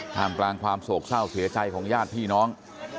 กลางกลางความโศกเศร้าเสียใจของญาติพี่น้อง